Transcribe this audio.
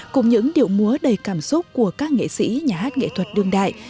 cùng những điệu múa đầy cảm xúc của các nghệ sĩ nhà hát nghệ thuật đương đại